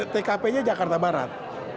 tkp nya jakarta barat